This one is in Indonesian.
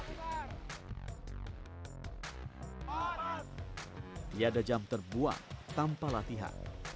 tidak ada jam terbuang tanpa latihan